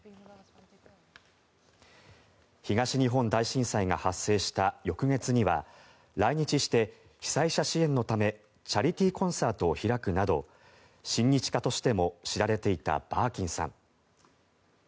東日本大震災が発生した翌月には来日して、被災者支援のためチャリティーコンサートを開くなど親日家としても知られていたバーキンさん。